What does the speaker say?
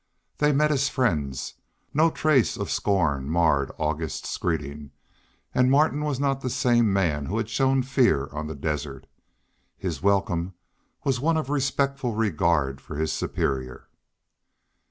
They met as friends; no trace of scorn marred August's greeting, and Martin was not the same man who had shown fear on the desert. His welcome was one of respectful regard for his superior.